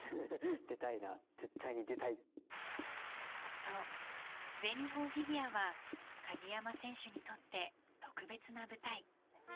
そう、全日本フィギュアは鍵山選手にとって特別な舞台。